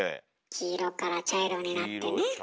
黄色から茶色になってね。